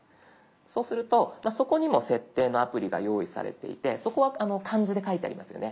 そうするとそこにも「設定」のアプリが用意されていてそこは漢字で書いてありますよね。